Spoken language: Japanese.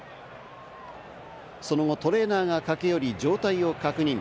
その後、トレーナーが駆け寄り、状態を確認。